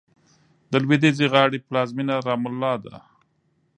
د لوېدیځې غاړې پلازمېنه رام الله ده.